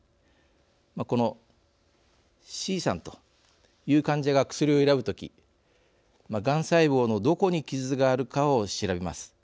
このＣさんという患者が薬を選ぶ時がん細胞のどこにキズがあるかを調べます。